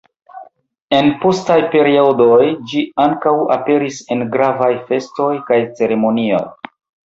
En postaj periodoj ĝi ankaŭ aperis en gravaj festoj kaj ceremonioj.